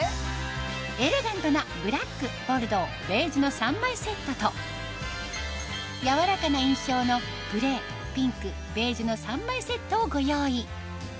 エレガントなブラックボルドーベージュの３枚セットと柔らかな印象のグレーピンクベージュの３枚セットをご用意